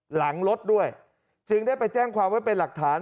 หลังรถด้วยจึงได้ไปแจ้งความไว้เป็นหลักฐาน